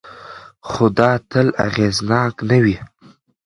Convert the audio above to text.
خو دا تل اغېزناک نه وي.